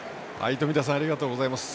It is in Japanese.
冨田さんありがとうございました。